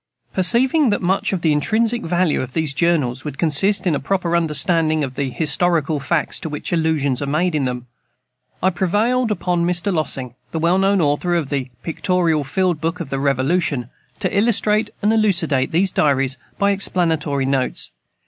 Perceiving that much of the intrinsic value of these Journals would consist in a proper understanding of the historical facts to which allusions are made in them, I prevailed upon Mr. LOSSING, the well known author of the "Pictorial Field Book of the Revolution" to illustrate and elucidate these diaries by explanatory notes.